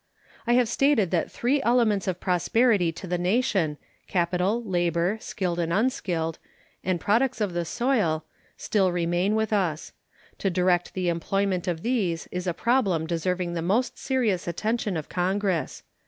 I have stated that three elements of prosperity to the nation capital, labor, skilled and unskilled, and products of the soil still remain with us. To direct the employment of these is a problem deserving the most serious attention of Congress.